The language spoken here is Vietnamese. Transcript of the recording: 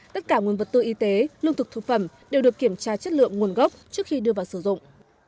tất cả nguồn vật tư y tế lương thực thực phẩm đều được kiểm tra chất lượng nguồn gốc trước khi đưa vào sử dụng